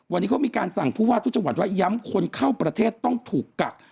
วันนี้เขามีการสั่งผู้ว่าทุกจังหวัดว่าย้ำคนเข้าประเทศต้องถูกกัก